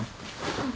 うん。